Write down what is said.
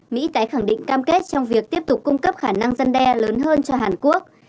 mỹ tái khẳng định cam kết trong việc tiếp tục cung cấp khả năng dân đe lớn hơn cho hàn quốc